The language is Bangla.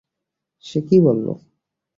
সে কি বলল?